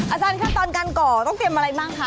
อาจารย์ขั้นตอนการก่อต้องเตรียมอะไรบ้างคะ